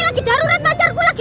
lagi darurat pacar aku lagi sakit